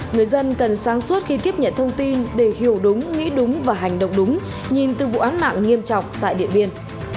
người dân cần sáng suốt khi tiếp nhận thông tin để hiểu đúng nghĩ đúng và hành động đúng nhìn từ vụ án mạng nghiêm trọng tại điện biên